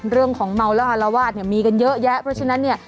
เรื่องของเมาและอาวาสเนี่ยมีกันเยอะแยะเพราะฉะนั้นเนี่ย